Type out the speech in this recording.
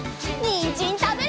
にんじんたべるよ！